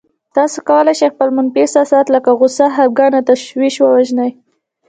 تاسې کولای شئ خپل منفي احساسات لکه غوسه، خپګان او تشويش ووژنئ.